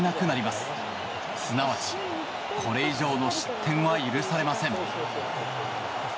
すなわち、これ以上の失点は許されません。